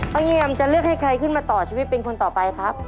เงียมจะเลือกให้ใครขึ้นมาต่อชีวิตเป็นคนต่อไปครับ